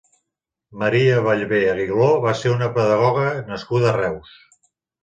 Maria Ballvé Aguiló va ser una pedagoga nascuda a Reus.